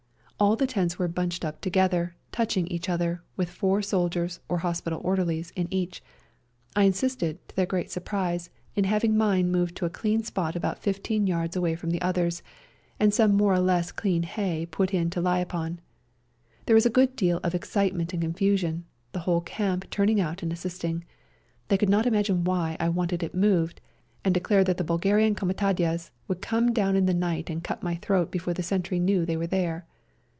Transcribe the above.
All the tents were bunched up together, touching each other, with four soldiers, or hospital orderlies, in each. I insisted, to their great surprise, 20 REJOINING THE SERBIANS in having mine moved to a clean spot about fifteen yards away from the others, and some more or less clean hay put in to lie upon. There was a good deal of ex citement and confusion, the whole camp turning out and assisting. They could not imagine why I wanted it moved, and declared that the Bulgarian comitadjes would come down in the night and cut my throat before the sentry knew they were there.